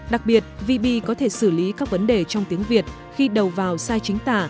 đặc biệt vb có thể xử lý các vấn đề trong tiếng việt khi đầu vào sai chính tả